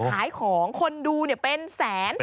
ขายของคนดูเป็นแสน